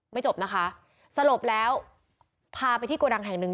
จบนะคะสลบแล้วพาไปที่โกดังแห่งหนึ่ง